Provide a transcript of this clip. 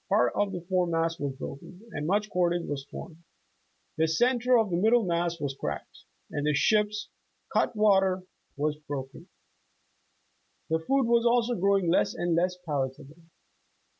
"Part of the fore mast was broken, and much cordage was torn." The center of the middle mast was cracked, and the ship's "cut water" (prow) was broken. The food was also growing less and le'^s palatable.